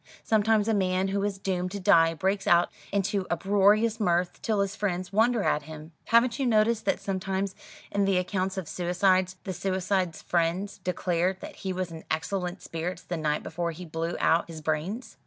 Sometimes a man who is doomed to die breaks out into uproarious mirth, till his friends wonder at him. Haven't you noticed that sometimes in the accounts of suicides, the suicide's friends declare that he was in excellent spirits the night before he blew out his brains?"